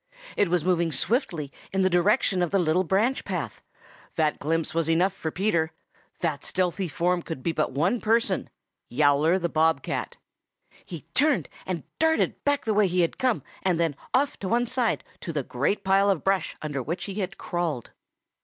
It was moving swiftly in the direction of the little branch path. That glimpse was enough for Peter. That stealthy form could be but one person Yowler the Bob cat. He turned and darted back the way he had come and then off to one side to the great pile of brush under which he had crawled.